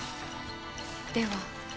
では。